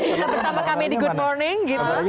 tetap bersama kami di good morning